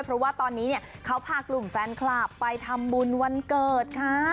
เพราะว่าตอนนี้เนี่ยเขาพากลุ่มแฟนคลับไปทำบุญวันเกิดค่ะ